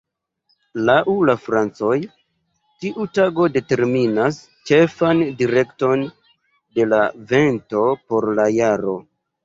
Laŭ la francoj tiu tago determinas ĉefan direkton de la vento por la jaro.